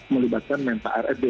melibatkan menerima rfb